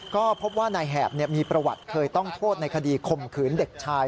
ก็พบว่านายแหบมีประวัติเคยต้องโทษในคดีข่มขืนเด็กชาย